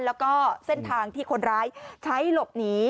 แล้วก็เส้นทางที่คนร้ายใช้หลบหนี